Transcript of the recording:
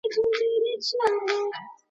تېر وخت تېر شو.